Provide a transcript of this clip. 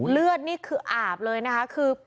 เลือดนี่คืออาบเลยนะคะ